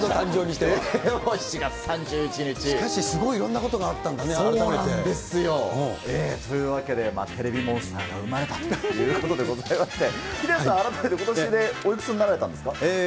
しかしすごいいろんなことがそうなんですよ、というわけで、テレビモンスターが生まれたということでございまして、ヒデさん、改めてことしでおいくつになられたんですか？